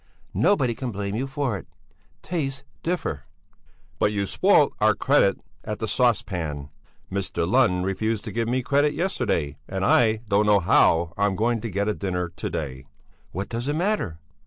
Nobody can blame you for it. Tastes differ!" "But you spoilt our credit at the 'Sauce Pan.' Mr. Lund refused to give me credit yesterday, and I don't know how I'm to get a dinner to day." "What does it matter?